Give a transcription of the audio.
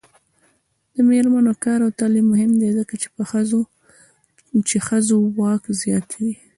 د میرمنو کار او تعلیم مهم دی ځکه چې ښځو واک زیاتوي.